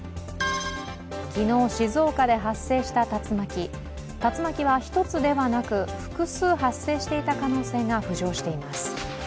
昨日、静岡で発生した竜巻、竜巻は１つではなく複数発生していた可能性が浮上しています。